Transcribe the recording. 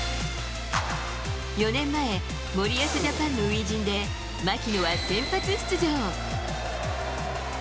４年前、森保ジャパンの初陣で、槙野は先発出場。